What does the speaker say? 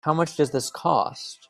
How much does this cost?